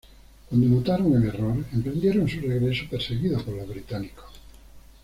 Cuando notaron el error emprendieron su regreso perseguidos por los británicos.